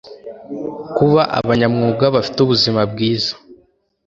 kuba abanyamwuga bafite ubuzima bwiza